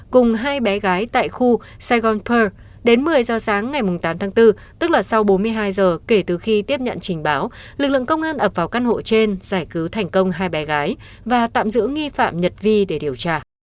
cùng hai bé gái tại khu sài gòn pear đến một mươi giờ sáng ngày tám tháng bốn tức là sau bốn mươi hai giờ kể từ khi tiếp nhận trình báo lực lượng công an ập vào căn hộ trên giải cứu thành công hai bé gái và tạm giữ nghi phạm nhật vi để điều tra